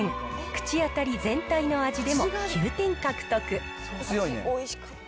口当たり、全体の味でも９点獲得。